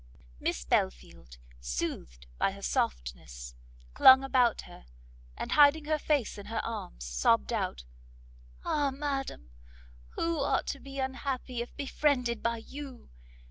Miss Belfield, soothed by her softness, clung about her, and hiding her face in her arms, sobbed out, "Ah madam! who ought to be unhappy if befriended by you!